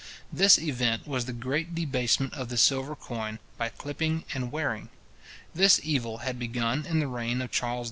This event was the great debasement of the silver coin, by clipping and wearing. This evil had begun in the reign of Charles II.